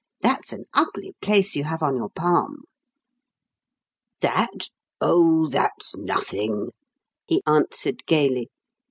That's an ugly place you have on your palm." "That? Oh, that's nothing," he answered, gaily.